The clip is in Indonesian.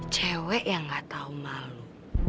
cewek yang gak tau malu